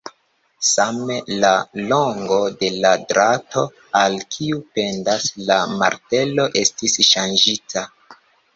Same, la longo de la drato, al kiu pendas la martelo, estis ŝanĝita.